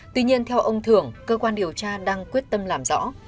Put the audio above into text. tuy nhiên theo ông thưởng cơ quan điều tra đang quyết tâm làm rõ